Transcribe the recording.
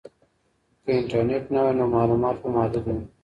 که انټرنیټ نه وای نو معلومات به محدود وو.